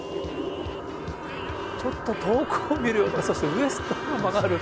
ちょっと遠くを見るような、そしてウエストも曲がる。